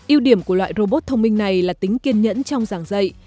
yêu điểm của loại robot thông minh này là tính kiên nhẫn trong giảng dạy